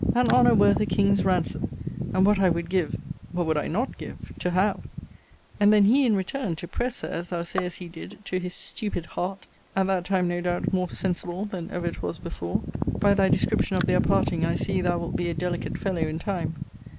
An honour worth a king's ransom; and what I would give what would I not give? to have! And then he, in return, to press her, as thou sayest he did, to his stupid heart; at that time, no doubt, more sensible, than ever it was before! * See Letter XLVIII. of this volume. By thy description of their parting, I see thou wilt be a delicate fellow in time.